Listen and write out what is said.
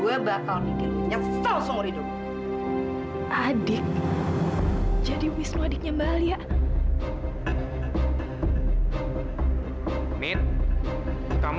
enggak enggak mau